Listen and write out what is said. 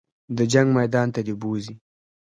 د جنګ میدان ته دې بوځي.